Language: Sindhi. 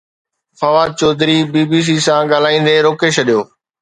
Fawad Chaudhry B B C سان ڳالهائيندي روڪي ڇڏيو